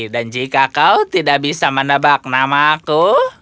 dan jika kau tidak bisa menebak namaku